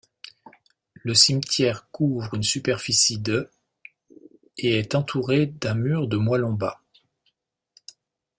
Le cimetière couvre une superficie de et est entouré d'un mur de moellons bas.